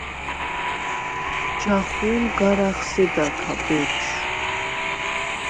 ჯახუ̄ლ გარ ახსედა ქა, ბეფშვ.